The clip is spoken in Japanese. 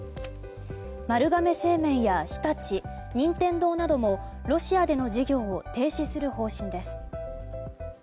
丸亀製麺や日立任天堂などもロシアでの事業を停止する方針です。